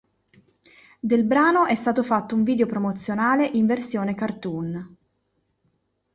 Del brano è stato fatto un video promozionale in versione cartoon.